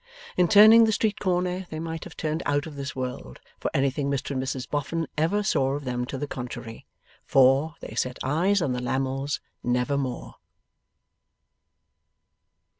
In turning the street corner they might have turned out of this world, for anything Mr and Mrs Boffin ever saw of them to the contrary; for, they set eyes on the Lammles never more.